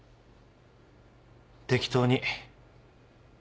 適当に。